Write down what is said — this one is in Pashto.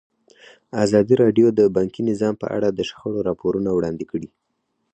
ازادي راډیو د بانکي نظام په اړه د شخړو راپورونه وړاندې کړي.